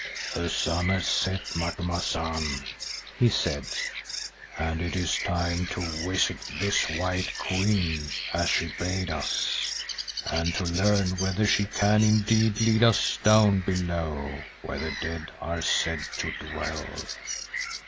"The sun has set, Macumazahn," he said, "and it is time to visit this white queen as she bade us, and to learn whether she can indeed lead us 'down below' where the dead are said to dwell."